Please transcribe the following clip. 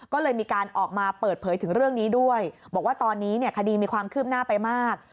ก็เลยมีการออกมาเปิดเผยถึงเรื่องนี้ด้วยบอกว่าตอนนี้เนี่ยคดีมีความคืบหน้าไปมาก